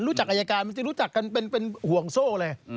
จากอายการบางทีรู้จักกันเป็นห่วงโซ่เลย